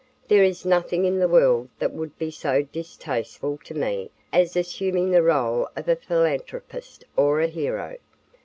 "There is nothing in the world that would be so distasteful to me as assuming the role of a philanthropist or a hero.